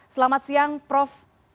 selamat siang prof